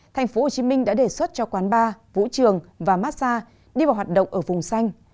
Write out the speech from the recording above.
tp hcm đã đề xuất cho quán bar vũ trường và massage đi vào hoạt động ở vùng xanh